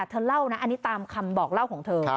เธอเล่านะอันนี้ตามคำบอกเล่าของเธอ